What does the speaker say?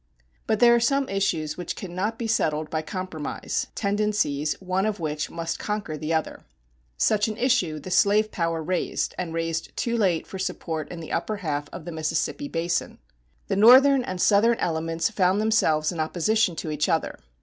But there are some issues which cannot be settled by compromise, tendencies one of which must conquer the other. Such an issue the slave power raised, and raised too late for support in the upper half of the Mississippi Basin. The Northern and the Southern elements found themselves in opposition to each other.